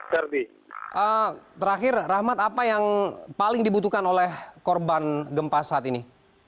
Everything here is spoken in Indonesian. terakhir rahmat apa yang paling dibutuhkan oleh korban gempa saat ini